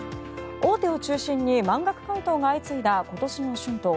大手を中心に満額回答が相次いだ今年の春闘。